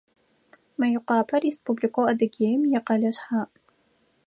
Мыекъуапэ Республикэу Адыгеим икъэлэ шъхьаӏ.